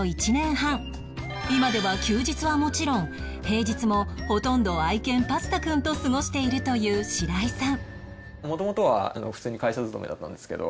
今では休日はもちろん平日もほとんど愛犬パスタくんと過ごしているという白井さん